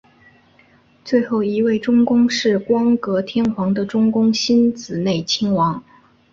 最后一位中宫是光格天皇的中宫欣子内亲王。